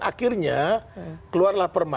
akhirnya keluarlah perma